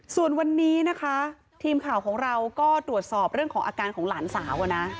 ส่วนวันนี้นะคะทีมข่าวของเราก็ตรวจสอบเรื่องของอาการของหลานสาวนะ